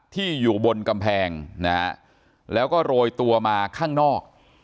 ที่อยู่บนกำแพงนะฮะแล้วก็โรยตัวมาข้างนอก